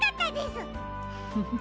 フフ。